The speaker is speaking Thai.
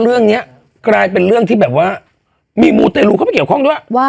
เรื่องนี้กลายเป็นเรื่องที่แบบว่ามีมูเตรลูเข้ามาเกี่ยวข้องด้วย